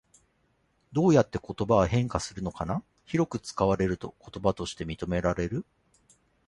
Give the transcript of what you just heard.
どうやって言葉は変化するのかな？広く使われると言葉として認められる？